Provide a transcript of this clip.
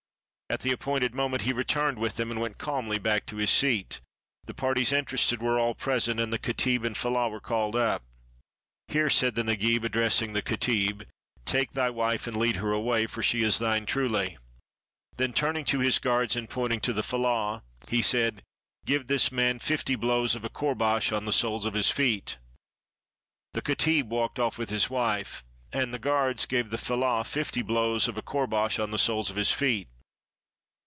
At the appointed moment he returned with them, and went calmly back to his seat. The par ties interested were all present, and the katib and fellah were called up. *'Here," said the Nagib, addressing the katib, "take thy wife and lead her away, for she is thine truly." Then, turning to his guards and pointing to the fellah, he said, " Give this man fifty blows of a courbash on the soles of his feet." The katib walked off with his wife, and the guards gave the fellah fifty blows of a courbash on the soles of his feet.